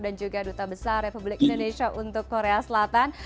dan juga duta besar republik indonesia untuk korea selatan